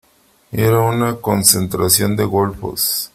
Era una concentración de golfos.